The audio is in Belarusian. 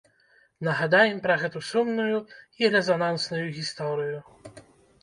Нагадаем пра гэту сумную і рэзанансную гісторыю.